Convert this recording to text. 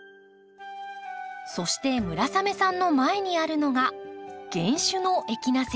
そして村雨さんの前にあるのが原種のエキナセア。